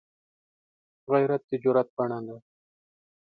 غیرت د جرئت بڼه ده